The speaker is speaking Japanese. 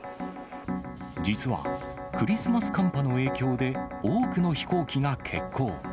実は、クリスマス寒波の影響で、多くの飛行機が欠航。